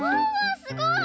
すごい！